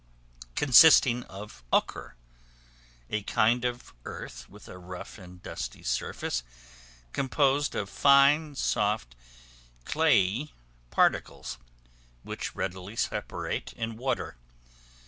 Consisting of ochre, a kind of earth with a rough and dusty surface, composed of fine, soft, clayey particles, which readily separate in water.